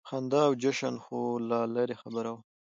خندا او جشن خو لا لرې خبره وه.